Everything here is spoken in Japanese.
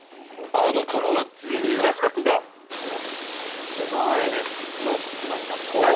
ついにこの１八角が攻めの馬になったんですね。